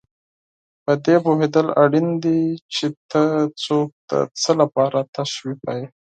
په دې پوهېدل اړین دي چې ته څوک د څه لپاره تشویقوې.